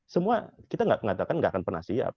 semua kita mengatakan tidak akan pernah siap